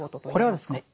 これはですね